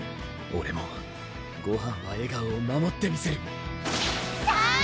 オレも「ごはんは笑顔」を守ってみせるタァーッ！